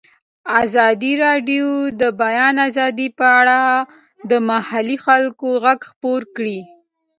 ازادي راډیو د د بیان آزادي په اړه د محلي خلکو غږ خپور کړی.